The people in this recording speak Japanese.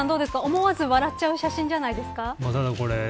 思わず笑っちゃう写真じゃないですか。